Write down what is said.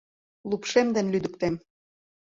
Лупшем дене лӱдыктем —